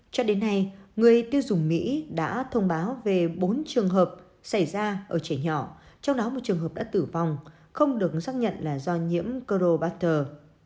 cho đến nay người tiêu dùng mỹ đã thông báo về bốn trường hợp xảy ra ở trẻ nhỏ trong đó một trường hợp đã tử vong không được xác nhận là do nhiễm coronatter